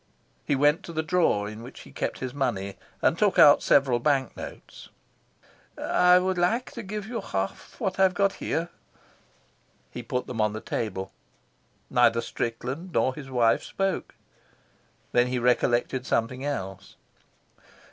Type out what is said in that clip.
He went to the drawer in which he kept his money and took out several bank notes. "I would like to give you half what I've got here." He put them on the table. Neither Strickland nor his wife spoke. Then he recollected something else.